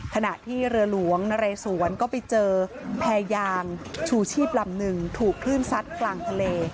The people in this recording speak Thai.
ขณะที่เรือหลวงนเรสวนก็ไปเจอแพรยางชูชีพลำหนึ่งถูกคลื่นซัดกลางทะเล